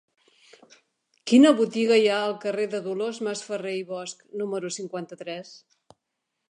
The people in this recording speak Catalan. Quina botiga hi ha al carrer de Dolors Masferrer i Bosch número cinquanta-tres?